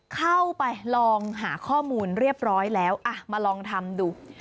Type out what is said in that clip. เข้าไปลองหาข้อมูลเรียบร้อยแล้วอ่ะมาลองทำดู